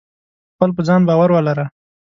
خپل په ځان باور ولره.